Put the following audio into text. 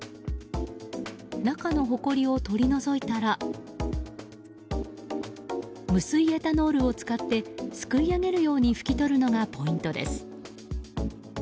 中のほこりを取り除いたら無水エタノールを使ってすくい上げるように拭き取るのがポイントです。